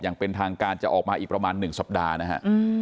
อย่างเป็นทางการจะออกมาอีกประมาณ๑สัปดาห์นะฮะ